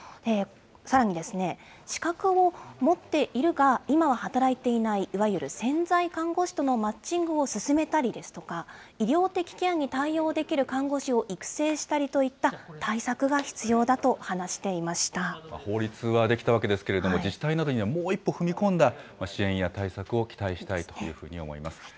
さらにですね、資格を持っているが今は働いていないいわゆる潜在看護師とのマッチングを進めたりですとか、医療的ケアに対応できる看護師を育成したりといった対法律は出来たわけですけれども、自治体などにはもう一歩踏み込んだ支援や対策を期待したいというふうに思います。